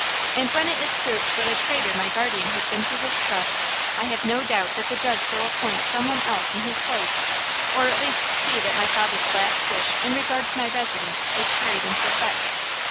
And when it is proved what a traitor my guardian has been to his trust I have no doubt that the judge will appoint some one else in his place, or at least see that my father's last wish in regard to my residence is carried into effect."